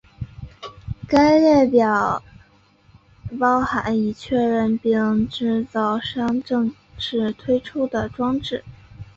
该列表包含已确认并制造商正式推出的装置。